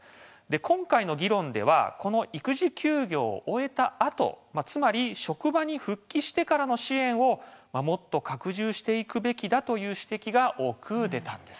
今回の議論では、この育児休業を終えたあとつまり、職場に復帰してからの支援をもっと拡充していくべきだという指摘が多く出たんです。